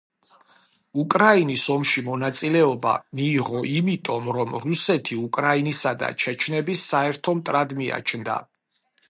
უკრაინის ომში მონაწილეობა მიიღო იმიტომ, რომ რუსეთი უკრაინისა და ჩეჩნების საერთო მტრად მიაჩნდა.